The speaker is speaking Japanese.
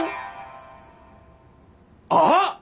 あっ！